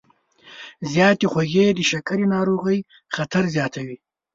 زیاتې خوږې د شکرې ناروغۍ خطر زیاتوي.